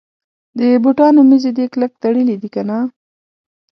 د بوټانو مزي دي کلک تړلي دي کنه.